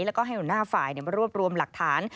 แล้วก็ให้หัวหน้าฝ่ายมารวบรวมหลักฐาน